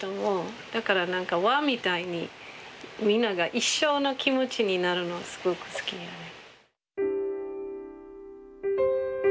だから何か輪みたいにみんなが一緒の気持ちになるのすごく好きやね。